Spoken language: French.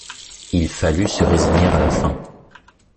Il fallut se résigner à la faim.